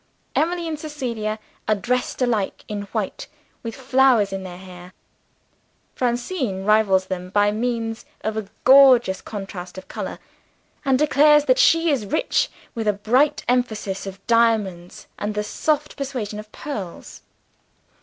Emily and Cecilia are dressed alike in white, with flowers in their hair. Francine rivals them by means of a gorgeous contrast of color, and declares that she is rich with the bright emphasis of diamonds and the soft persuasion of pearls.